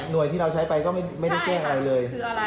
โดยที่เราใช้ไปก็ไม่ได้แจ้งอะไรเลย